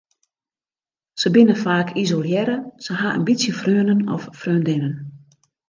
Se binne faak isolearre, se ha in bytsje freonen of freondinnen.